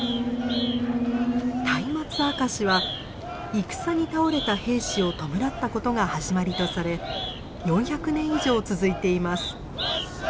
「松明あかし」は戦に倒れた兵士を弔ったことが始まりとされ４００年以上続いています。